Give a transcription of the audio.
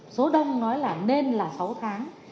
số đông nói là nên là sáu tháng